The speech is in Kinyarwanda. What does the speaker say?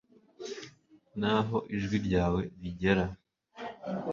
n’aho ijwi ryawe rigera